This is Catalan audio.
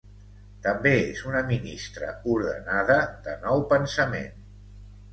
També és una ministra ordenada de Nou Pensament.